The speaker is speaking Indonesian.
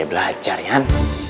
ya belajar ya kan